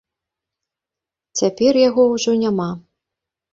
Цяпер яго ўжо няма.